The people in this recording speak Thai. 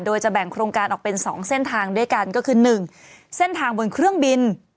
โดยจะแบ่งโครงการออกเป็น๒เส้นทางด้วยกันก็คือ๑เส้นทางบนเครื่องบิน